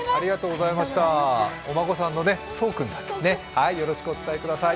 お孫さんの奏君にもよろしくお伝えください。